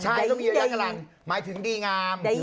ใช่ต้องมียักษ์ขรรณหมายถึงดีงาม